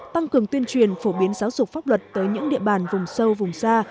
tăng cường tuyên truyền phổ biến giáo dục pháp luật tới những địa bàn vùng sâu vùng xa